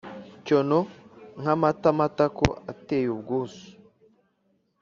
Cyono nkamata matako ateye ubwuzu!